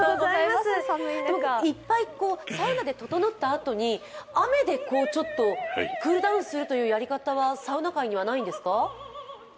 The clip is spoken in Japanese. いっぱいサウナでととのったあとで、雨でクールダウンするというやり方はサウナ界にはないんですか？